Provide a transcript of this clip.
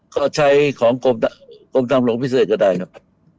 ก็ใช้ของกรมทางหลวงพิเศษก็ได้ครับ